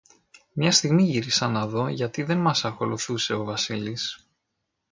Μια στιγμή γύρισα να δω, γιατί δε μας ακολουθούσε ο Βασίλης